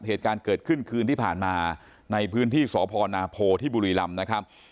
เหตุการณ์เกิดขึ้นคืนที่ผ่านมาในพื้นที่สพนาโพที่บุรีรำนะครับ